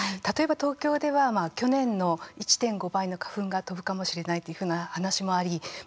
例えば、東京では去年の１．５倍の花粉が飛ぶかもしれないというふうな話もあり